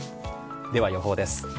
では、予報です。